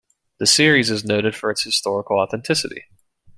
The series is noted for its historical authenticity.